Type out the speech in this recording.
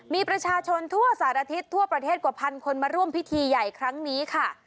มีประชาชนทั่วสารทิศทั่วประเทศกว่าพันคนมาร่วมพิธีใหญ่ครั้งนี้ค่ะ